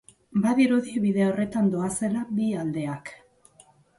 Badirudi bide horretan doazela bi aldeak.